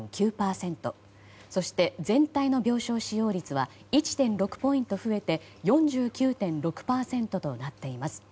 そして全体の病床使用率は１．６ポイント増えて４９．６％となっています。